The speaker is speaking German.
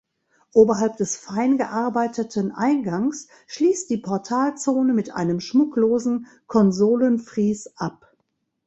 Oberhalb des fein gearbeiteten Eingangs schließt die Portalzone mit einem schmucklosen Konsolenfries ab.